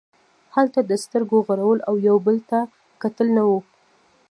هلته د سترګو غړول او یو بل ته کتل نه وو.